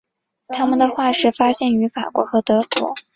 它们的化石发现于法国和德国。